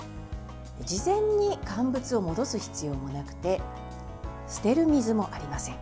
事前に乾物を戻す必要がなくて捨てる水もありません。